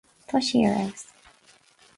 Tá sí ar fheabhas.